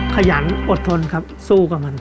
ขยันอดทนครับสู้กับมัน